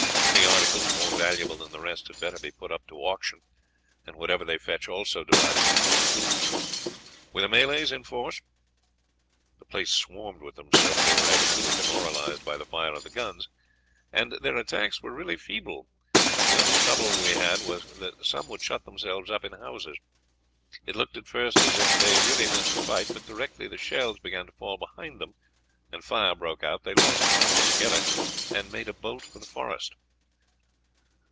Any articles more valuable than the rest had better be put up to auction, and whatever they fetch also divided among the men. Were the Malays in force?" "The place swarmed with them, sir, but they were evidently demoralized by the fire of the guns, and their attacks were really feeble. The only trouble we had was that some would shut themselves up in houses. It looked at first as if they really meant to fight, but directly the shells began to fall behind them, and fire broke out, they lost heart altogether, and made a bolt for the forest."